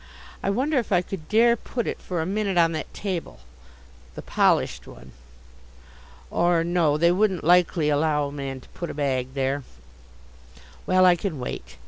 I wonder if I could dare put it for a minute on that table, the polished one ? Or no, they wouldn't likely allow a man to put a bag there. Well, I can wait.